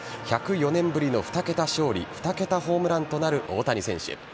１０４年ぶりの２桁勝利、２桁ホームランとなる大谷選手。